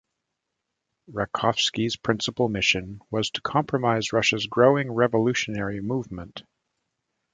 Rachkovsky's principal mission was to compromise Russia's growing revolutionary movement.